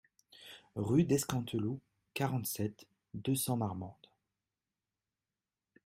Rue d'Escanteloup, quarante-sept, deux cents Marmande